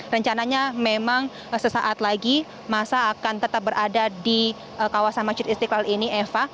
rencananya memang sesaat lagi masa akan tetap berada di kawasan masjid istiqlal ini eva